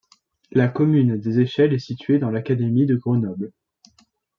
La commune des Échelles est située dans l'académie de Grenoble.